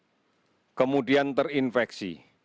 ingat apabila saudara saudara yang aktif bekerja kemudian terinfeksi